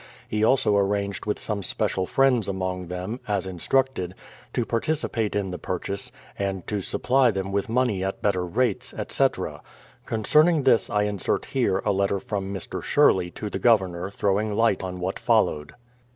He also ar ranged w^ith some special friends among them, as instructed, to participate in the purchase, and to supply them vv^ith money at better rates, etc. Concerning this I insert here a letter from Mr. Sherley to the Governor throwing light on what followed.